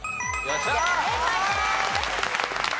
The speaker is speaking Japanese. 正解です。